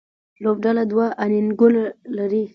لوبډله دوه انینګونه لري.